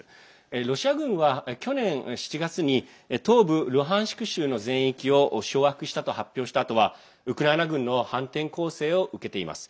ロシア軍は去年７月に東部ルハンシク州の全域を掌握したと発表したあとはウクライナ軍の反転攻勢を受けています。